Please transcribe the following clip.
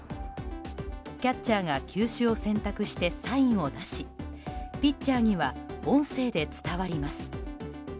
キャッチャーが球種を選択してサインを出しピッチャーには音声で伝わります。